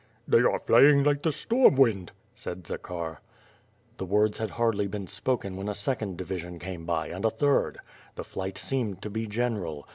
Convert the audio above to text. "They are fljang like the storm wind," said Zakhar. The words had hardly been =poken when a second division came by, and a third. The fliij:ht seemed to be general.